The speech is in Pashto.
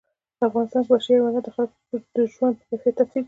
په افغانستان کې وحشي حیوانات د خلکو د ژوند په کیفیت تاثیر کوي.